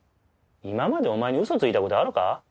今までお前に嘘ついた事あるか？